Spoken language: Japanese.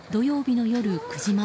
土曜日の夜９時